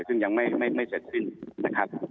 ซึ่งยังไม่เสร็จสิ้นนะครับ